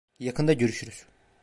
Yakında görüşürüz.